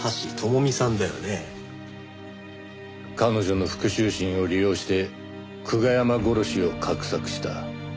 彼女の復讐心を利用して久我山殺しを画策した。